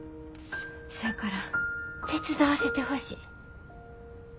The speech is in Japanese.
せやから手伝わせてほしい。